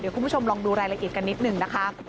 คุณผู้ชมลองดูรายละเอียดกันนิดหนึ่งนะคะ